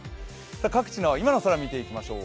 各地の今の空、見ていきましょう。